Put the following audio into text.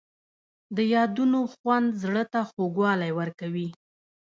د یادونو خوند زړه ته خوږوالی ورکوي.